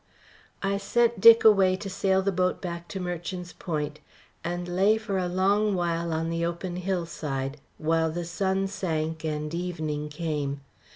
I sent Dick away to sail the boat back to Merchant's Point, and lay for a long while on the open hillside, while the sun sank and evening came.